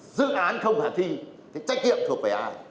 dự án không hạ thi trách nhiệm thuộc về ai